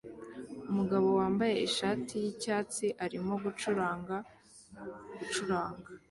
Umugabo wambaye ishati yicyatsi arimo gucuranga gucuranga